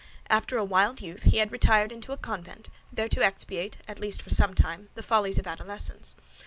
After a wild youth, he had retired into a convent, there to expiate, at least for some time, the follies of adolescence.